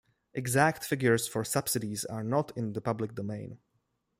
Exact figures for subsidies are not in the public domain.